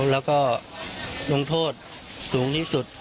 แล้วก็ลงโทษสูงที่สุด